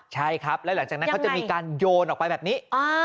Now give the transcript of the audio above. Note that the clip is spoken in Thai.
ใช่ครับแล้วหลังจากนั้นเขาจะมีการโยนออกไปแบบนี้